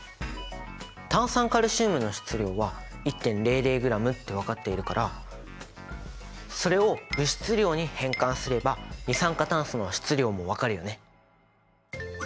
炭酸カルシウムの質量は１．００ｇって分かっているからそれを物質量に変換すれば二酸化炭素の質量も分かるよね！